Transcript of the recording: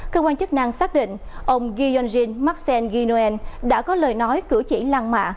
cơ quan chức năng xác định ông giyonjin maksen ginoen đã có lời nói cử chỉ lan mạ